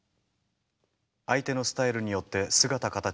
相手のスタイルによって姿形を変える。